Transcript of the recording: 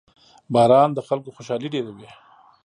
• باران د خلکو خوشحالي ډېروي.